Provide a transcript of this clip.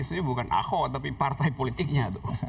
sebenarnya bukan aku tapi partai politiknya